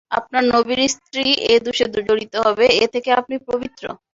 আপনার নবীর স্ত্রী এ দোষে জড়িত হবে এ থেকে আপনি পবিত্র।